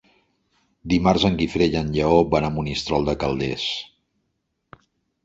Dimarts en Guifré i en Lleó van a Monistrol de Calders.